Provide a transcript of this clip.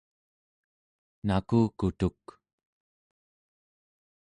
nakukutuk